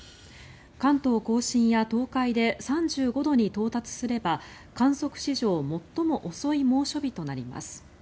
関東・甲信や東海で３５度に到達すれば観測史上最も遅い猛暑日となります。